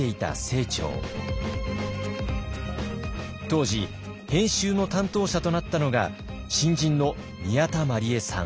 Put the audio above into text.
当時編集の担当者となったのが新人の宮田毬栄さん。